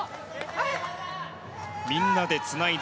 みんなでつないだ